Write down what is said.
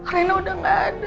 rena udah gak ada